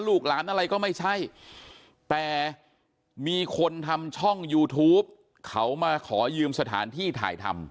ลูกหลานอะไรก็ไม่ใช่แต่มีคนทำช่องยูทูปเขามาขอยืมสถานที่ถ่ายทำ